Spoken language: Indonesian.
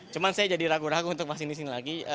cuma saya jadi ragu ragu untuk masukin di sini lagi